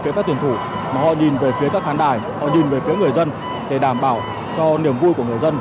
rất thân thiện